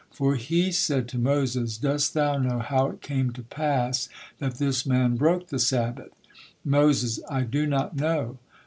For He said to Moses, "dost thou know how it came to pass that this man broke the Sabbath?" Moses: "I do not know."